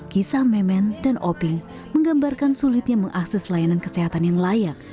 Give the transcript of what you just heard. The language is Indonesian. kisah memen dan oping menggambarkan sulitnya mengakses layanan kesehatan yang layak